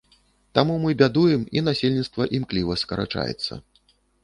Таму мы бядуем і насельніцтва імкліва скарачаецца.